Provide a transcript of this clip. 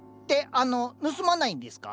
あの盗まないんですか？